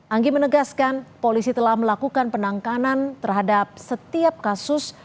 anggi menegaskan polisi telah melakukan penangkahan terhadap setiap kasus